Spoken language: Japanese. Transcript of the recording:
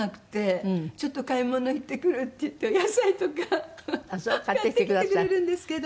「ちょっと買い物行ってくる」って言って野菜とか買ってきてくれるんですけど。